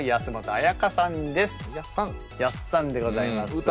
やっさんでございます。